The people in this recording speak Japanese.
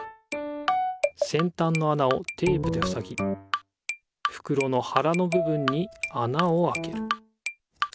せんたんのあなをテープでふさぎふくろのはらのぶぶんにあなをあける